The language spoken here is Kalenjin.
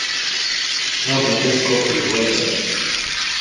Ngomnotet ko ole walei sopenyo